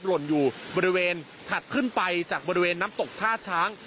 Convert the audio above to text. หล่นอยู่บริเวณถัดขึ้นไปจากบริเวณน้ำตกท่าช้าง